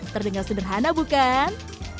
terdengar sederhana bukan